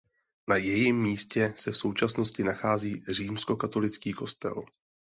Na jejím místě se v současnosti nachází římskokatolický kostel.